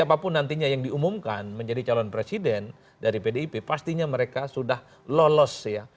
siapapun nantinya yang diumumkan menjadi calon presiden dari pdip pastinya mereka sudah lolos ya